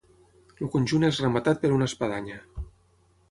El conjunt és rematat per una espadanya.